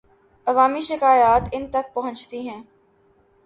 عوامی شکایات ان تک پہنچتی ہیں۔